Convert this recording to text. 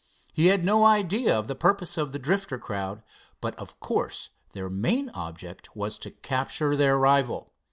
He had no idea of the purpose of the Drifter crowd, but of course their main object was to capture their rival.